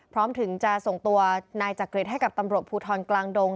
พร้อมถึงจะส่งตัวนายจักริตให้กับตำรวจภูทรกลางดง